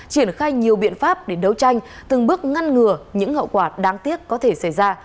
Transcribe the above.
triển khai nhiều biện pháp để đấu tranh từng bước ngăn ngừa những hậu quả đáng tiếc có thể xảy ra